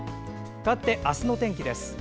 かわって、明日の天気です。